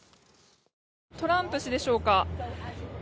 トランプ氏でしょうか。